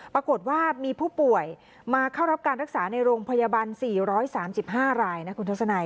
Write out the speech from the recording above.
ปรากฏว่ามีผู้ป่วยมาเข้ารับการรักษาในโรงพยาบาล๔๓๕รายนะคุณทัศนัย